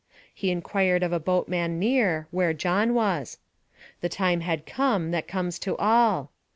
He inquired of a boatman near, where John was. The time had come that comes to all!